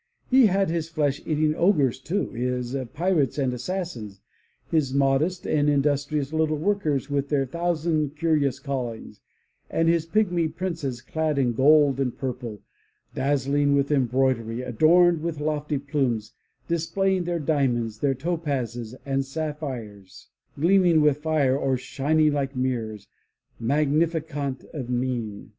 He had his flesh eating ogres too, his pirates and assassins, his modest and industrious little workers with their thousand curious callings, and his pigmy princes clad in gold and purple, dazzling with embroidery, adorned with lofty plumes, displaying their diamonds, their topazes and sapphires, gleaming with fire or shining like mirrors, magni ficant of mien.